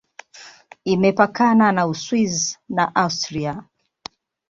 Imepakana na Uswisi na Austria.